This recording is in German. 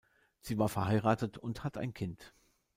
Sie war verheiratet und hat ein Kind.